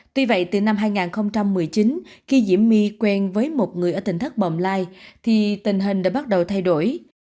tuy vậy từ năm hai nghìn một mươi chín khi diễm my quen với một người ở tỉnh thất bồm lai thì tình hình đã bắt đầu thay đổi